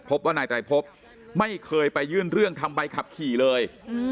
พบว่านายไตรพบไม่เคยไปยื่นเรื่องทำใบขับขี่เลย